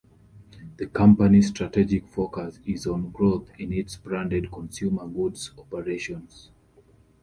The company's strategic focus is on growth in its branded consumer goods operations.